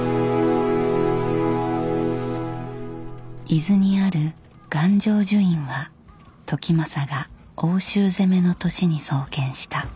伊豆にある願成就院は時政が奥州攻めの年に創建した。